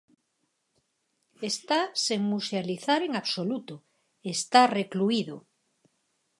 Está sen musealizar en absoluto, está recluído.